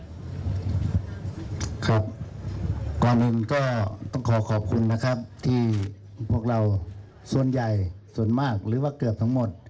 ครับก่อนอื่นก็ต้องขอขอบคุณนะครับที่พวกเราส่วนใหญ่ส่วนมากหรือว่าเกือบทั้งหมด